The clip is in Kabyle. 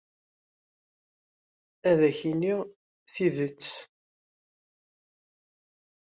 Ad akent-iniɣ tidet.